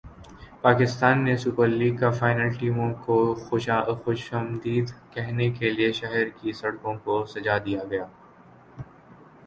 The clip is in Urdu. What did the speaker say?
پاکستان سپر لیگ کا فائنل ٹیموں کو خوش مدید کہنے کے لئے شہر کی سڑکوں کوسجا دیا گیا